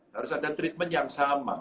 harus ada treatment yang sama